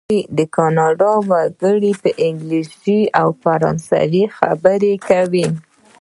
د کانادا وګړي په انګلیسي او فرانسوي خبرې کوي.